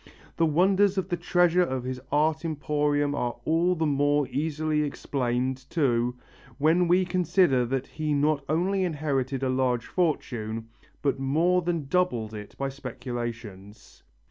The wonders of the treasures of his art emporium are all the more easily explained, too, when we consider that he not only inherited a large fortune, but more than doubled it by speculations.